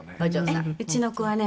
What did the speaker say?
「うちの子はね